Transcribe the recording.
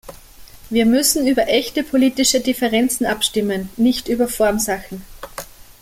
Wir müssen über echte politische Differenzen abstimmen, nicht über Formsachen.